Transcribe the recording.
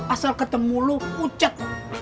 asal ketemu lu kucet